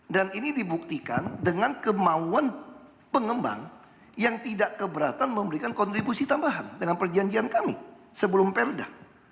dan ini dibuktikan dengan kemauan pengembang yang tidak keberatan memberikan kontribusi tambahan dengan perjanjian kami sebelum perda